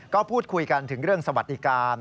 ก็พูดคุยกันถึงเรื่องสวัสดิการ